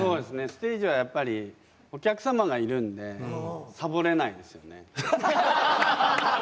ステージはやっぱりお客様がいるんでサボれないんですよね。